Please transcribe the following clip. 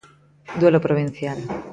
Duelo provincial.